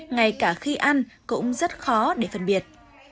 ngay cả khi ăn cũng rất khó để phân biệt